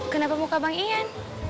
kenapa muka bang ian